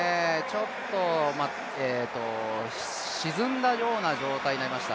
ちょっと沈んだような状態になりました。